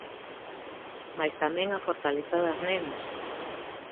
Mais tamén a fortaleza das nenas.